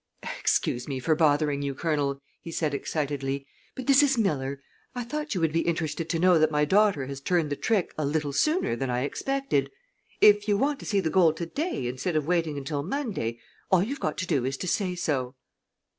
"Excuse me for bothering you, Colonel," he said, excitedly, "but this is Miller. I thought you would be interested to know that my daughter has turned the trick a little sooner than I expected. If you want to see the gold to day instead of waiting until Monday, all you've got to do is to say so."